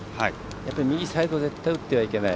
やっぱり右サイド絶対打ってはいけない。